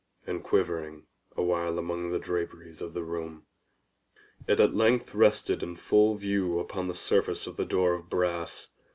And quivering awhile among the draperies of the room, it at length rested in full view upon the surface of the door of brass.